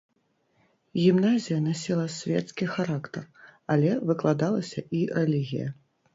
Гімназія насіла свецкі характар, але выкладалася і рэлігія.